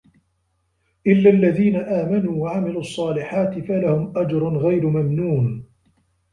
إِلَّا الَّذينَ آمَنوا وَعَمِلُوا الصّالِحاتِ فَلَهُم أَجرٌ غَيرُ مَمنونٍ